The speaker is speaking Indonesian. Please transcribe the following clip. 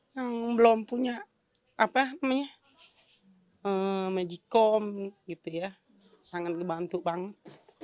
yang belum punya mejikom sangat ngebantu banget